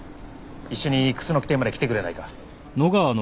一緒に楠木邸まで来てくれないか？